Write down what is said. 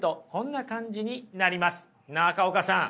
中岡さん